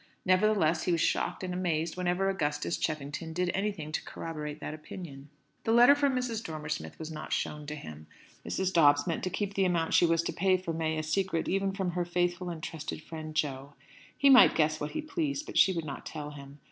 Nevertheless he was shocked and amazed whenever Augustus Cheffington did anything to corroborate that opinion. The letter from Mrs. Dormer Smith was not shown to him. Mrs. Dobbs meant to keep the amount she was to pay for May a secret even from her faithful and trusted friend Jo. He might guess what he pleased, but she would not tell him.